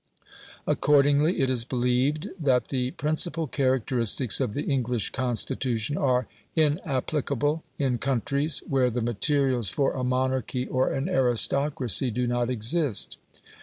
Accordingly, it is believed that the principal characteristics of the English Constitution are inapplicable in countries where the materials for a monarchy or an aristocracy do not exist.